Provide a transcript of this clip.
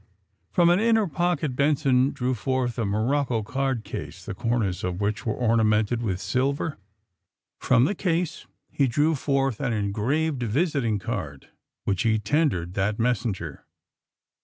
'^ From an inner pocket Benson drew forth a morocco card case, the comers of which were ornamented with silver. From the case he drew forth an engraved visiting card, which he tend ered that messenger.